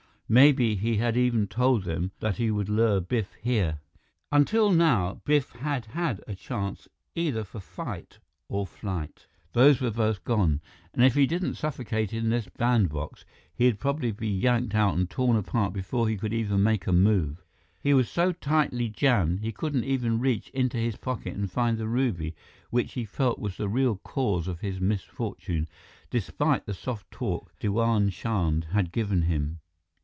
Maybe he had even told them that he would lure Biff here. Until now, Biff had had a chance either for fight or flight. Those were both gone, and if he didn't suffocate in this bandbox, he would probably be yanked out and torn apart before he could even make a move. He was so tightly jammed, he couldn't even reach into his pocket and find the ruby, which he felt was the real cause of his misfortune, despite the soft talk Diwan Chand had given him.